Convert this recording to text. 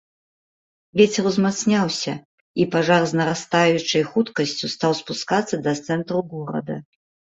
Вецер узмацняўся, і пажар з нарастаючай хуткасцю стаў спускацца да цэнтру горада.